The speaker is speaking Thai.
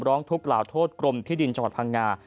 ร้องทุกข์กล่าวโทษกรมที่ดินจังหวัดพังงา